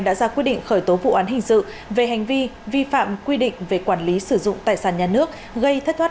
đã ra quyết định khởi tố vụ án hình sự về hành vi vi phạm quy định về quản lý sử dụng tài sản nhà nước gây thất thoát